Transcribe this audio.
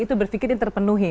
itu berpikir ini terpenuhi